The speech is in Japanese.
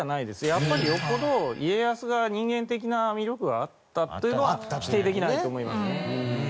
やっぱりよっぽど家康が人間的な魅力があったというのは否定できないと思いますね。